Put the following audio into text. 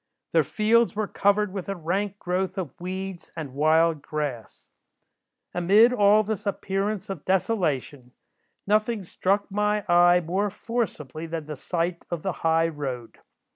Their fields were covered with a rank growth of weeds and wild grass. "Amid all this appearance of desolation, nothing struck my eye more forcibly than the sight of the high road.